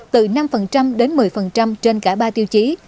từ năm đến một mươi trên cả ba tiêu chí